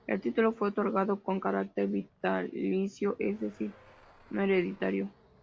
El título fue otorgado con carácter vitalicio, es decir, no hereditario.